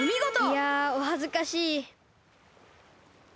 いやおはずかしい。